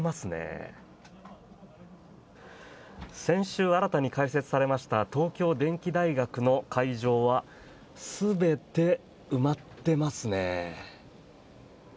先週新たに開設されました東京電機大学の会場は全て埋まってますね。